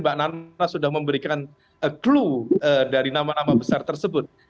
mbak nana sudah memberikan clue dari nama nama besar tersebut